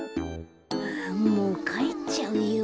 もうかえっちゃうよ。